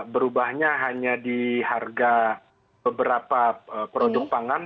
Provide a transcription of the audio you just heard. berubahnya hanya di harga beberapa produk pangan